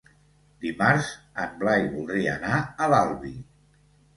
Dimarts en Blai voldria anar a l'Albi.